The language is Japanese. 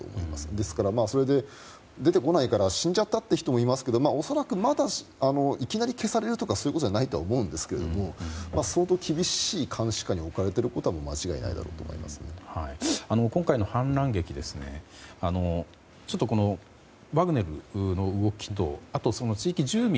ですから、それで出てこないから死んじゃったって言う人もいますけど恐らくまだいきなり消されるとかそういうことではないと思うんですけども相当、厳しい監視下に置かれていることは今回の反乱劇をワグネルの動きとあと、その地域住民。